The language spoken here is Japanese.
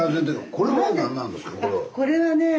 これはねえ